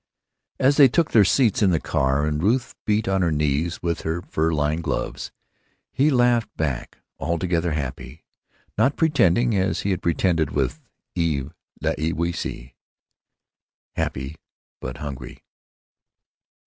As they took their seats in the car, and Ruth beat on her knees with her fur lined gloves, he laughed back, altogether happy, not pretending, as he had pretended with Eve L'Ewysse. Happy. But hungry!